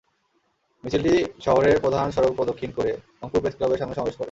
মিছিলটি শহরের প্রধান সড়ক প্রদক্ষিণ করে রংপুর প্রেসক্লাবের সামনে সমাবেশ করে।